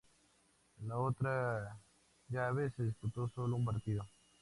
En la otra llave se disputó sólo un partido.